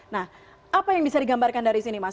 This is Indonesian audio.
nah apa yang bisa digambarkan dari sini mas